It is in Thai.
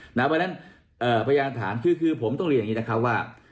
เพราะฉะนั้นพยานฐานคือผมต้องเรียนอย่างนี้นะครับว่า